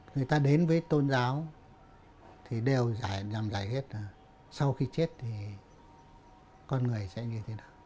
người ta đến với tôn giáo thì đều làm lại hết là sau khi chết thì con người sẽ như thế nào